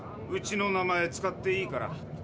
うちの名前使っていいから。